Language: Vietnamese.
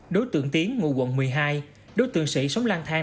đối tượng tiến ngụ quận một mươi hai đối tượng sĩ sống lang thang